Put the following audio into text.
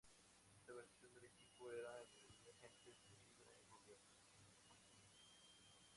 Esta versión del equipo era en realidad agentes de Hydra encubiertos.